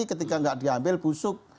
ketika tidak diambil busuk